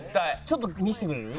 ちょっと見せてくれる？